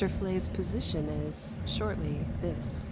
Fleay's position is, shortly, this.